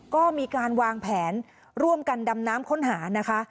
ก็มีการวางแผนร่วมกันดำน้ำค้นหานะคะ